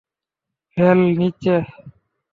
ভ্যাল, নিচে!